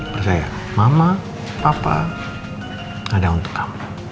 percaya mama papa ada untuk kamu